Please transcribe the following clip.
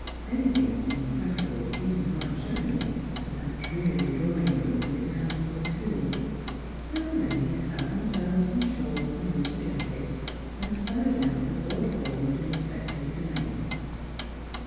Anything seemed preferable, even to aunt Chevenix, to that dreary drawing room with its handful of fuel ; so the ladies clad themselves in shawls and winter jackets, and sallied out with Lord Paulyn to inspect his domain.